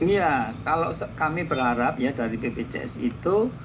iya kalau kami berharap ya dari bpjs itu